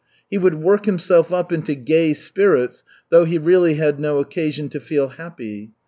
He would work himself up into gay spirits, though he really had no occasion to feel happy.